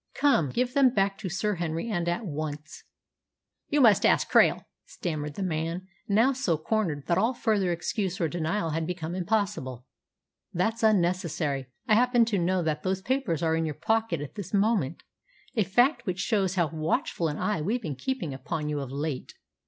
Come, give them back to Sir Henry, and at once." "You must ask Krail," stammered the man, now so cornered that all further excuse or denial had become impossible. "That's unnecessary. I happen to know that those papers are in your pocket at this moment, a fact which shows how watchful an eye we've been keeping upon you of late.